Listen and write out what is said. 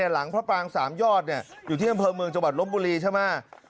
หลังพระปางสามยอดอยู่ที่อำเภอเมืองจังหวัดลบบุรีใช่ไหม